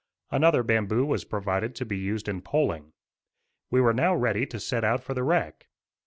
Another bamboo was provided to be used in poling. We were now ready to set out for the wreck.